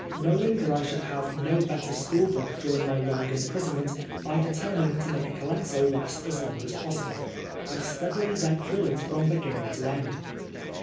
Knowing that I should have no better school book during my long imprisonment, I determined to make Colenso last as long as possible. I steadily went through it from beginning to end.